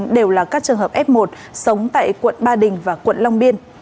đều là các trường hợp f một sống tại quận ba đình và quận long biên